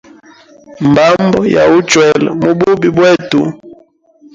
Mbambo ya uchwela mububi bwetu.